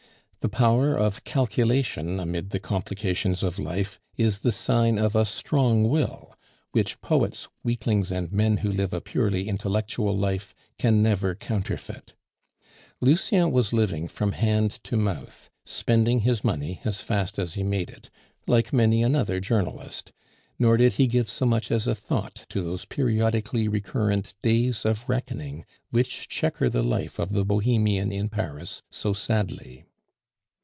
The power of calculation amid the complications of life is the sign of a strong will which poets, weaklings, and men who live a purely intellectual life can never counterfeit. Lucien was living from hand to mouth, spending his money as fast as he made it, like many another journalist; nor did he give so much as a thought to those periodically recurrent days of reckoning which chequer the life of the bohemian in Paris so sadly.